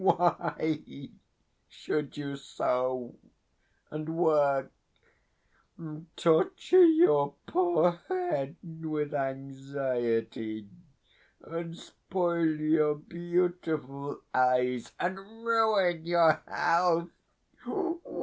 WHY should you sew, and work, and torture your poor head with anxiety, and spoil your beautiful eyes, and ruin your health?